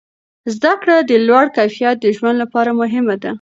زده کړه د لوړ کیفیت د ژوند لپاره مهمه ده.